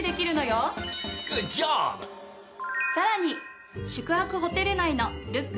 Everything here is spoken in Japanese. さらに宿泊ホテル内のルック